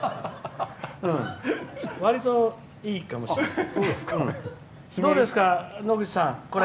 わりといいかもしれない。